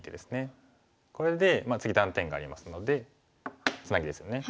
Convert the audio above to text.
これで次断点がありますのでツナギですね。